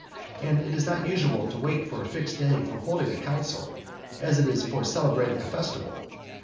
And it is not usual to wait for a fixed day for holding a council, as it is for celebrating a festival.